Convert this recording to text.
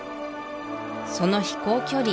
その飛行距離